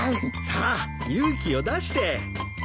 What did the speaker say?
さあ勇気を出して！